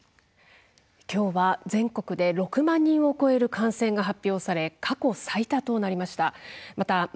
きょうは全国で６万人を超える感染が発表され過去最多となりました。